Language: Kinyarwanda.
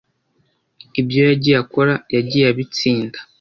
ibyo yagiye akora yagiye abitsinda